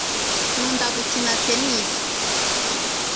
nkunda gukina tennis